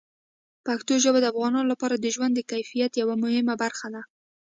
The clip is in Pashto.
پښتو ژبه د افغانانو لپاره د ژوند د کیفیت یوه مهمه برخه ده.